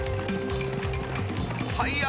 はいや！